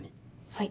はい。